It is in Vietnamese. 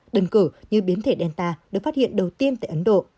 đơn cử như biến thể delta được phát hiện đầu tiên tại ấn độ